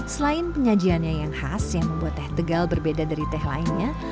selain penyajiannya yang khas yang membuat teh tegal berbeda dari teh lainnya